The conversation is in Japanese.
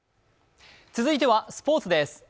続いてはスポーツです。